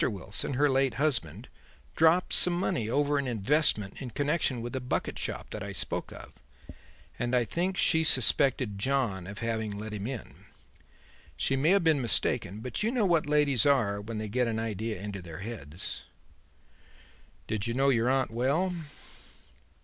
Wilson, her late husband, dropped some money over an investment in connection with the bucket shop that I spoke of, and I think she suspected John of having let him in. She may have been mistaken, but you know what ladies are when they get an idea into their heads." "Did you know your aunt well?"